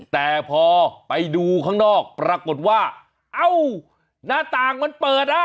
แต่พอไปดูข้างนอกปรากฏว่าเอ้าหน้าต่างมันเปิดอ่ะ